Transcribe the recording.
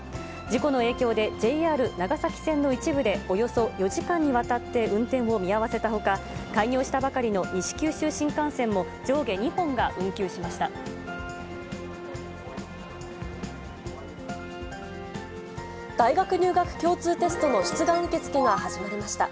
事故の影響で、ＪＲ長崎線の一部でおよそ４時間にわたって、運転を見合わせたほか、開業したばかりの西九州新幹線も、上下２本が運休しました。